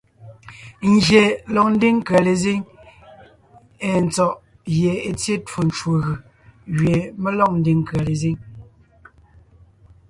Ngyè lɔg ńdiŋ nkʉ̀a lezíŋ èe tsɔ̀ʼ gie è tsyé twó ncwò gʉ̀ gẅie mé lɔg ńdiŋ nkʉ̀a lezíŋ.